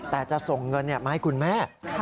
แต่จะส่งเงินมาให้คุณแม่